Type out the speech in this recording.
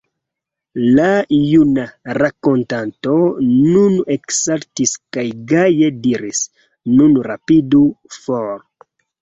La juna rakontanto nun eksaltis kaj gaje diris: Nun rapidu for.